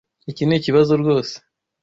Iki nikibazo rwose.